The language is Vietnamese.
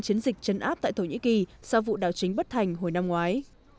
chiến dịch chấn áp tại thổ nhĩ kỳ sau vụ đảo chính bất thành hồi năm ngoái